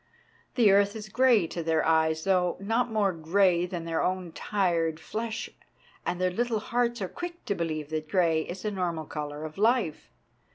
The earth is grey to their eyes, though not more grey than their own tired flesh, and their little hearts are quick to believe that grey is the normal colour of life.